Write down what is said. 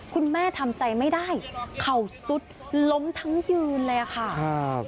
คุณแม่ทำใจไม่ได้เข่าซุดล้มทั้งยืนเลยค่ะครับ